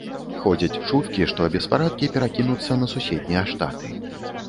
Ходзяць чуткі, што беспарадкі перакінуцца на суседнія штаты.